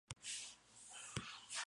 Fue docente de derecho en esa Universidad.